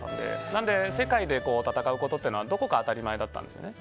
なので世界で戦うことというのはどこか当たり前だったんですよね。